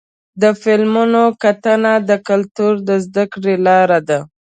د فلمونو کتنه د کلتور د زدهکړې لاره ده.